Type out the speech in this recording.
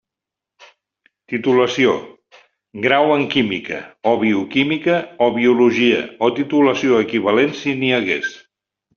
Titulació: grau en Química, o Bioquímica o Biologia, o titulació equivalent si n'hi hagués.